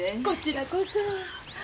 こちらこそ。